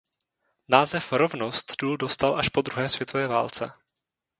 Název Rovnost důl dostal až po druhé světové válce.